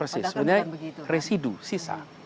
sebenarnya residu sisa